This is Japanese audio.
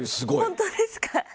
本当ですか。